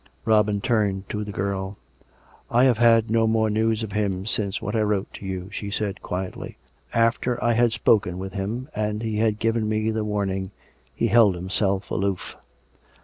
Robin turned to the girl. " I have had no more news of him since what I wrote to you," she said quietly. " After I had spoken with liim, and he had given me the warning, he held himself aloof."